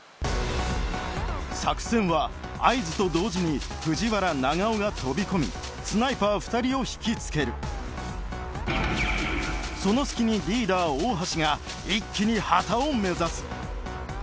作戦は合図と同時に藤原長尾が飛び込みスナイパー２人を引きつけるその隙にリーダー大橋が一気に旗を目指す